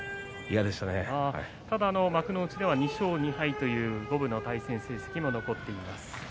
幕内では２勝２敗の五分の対戦成績が残っています。